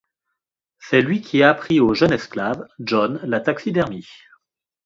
C'est lui qui apprit au jeune esclave, John, la taxidermie.